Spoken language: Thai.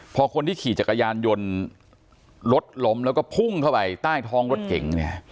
พอคนที่ขี่จักรยานยนต์รถล้มแล้วก็พุ่งเข้าไปใต้ท้องรถเก่งเนี่ย